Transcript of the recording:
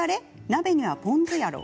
鍋にはポン酢やろ。